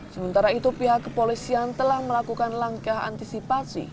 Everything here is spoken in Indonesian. sementara itu pihak kepolisian telah melakukan langkah antisipasi